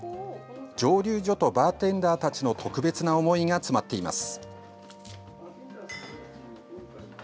蒸留所とバーテンダーたちの特別な思いが詰まっています。